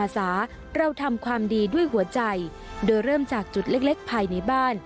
สวัสดีครับ